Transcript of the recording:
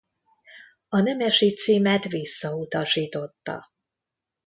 A nemesi címet visszautasította.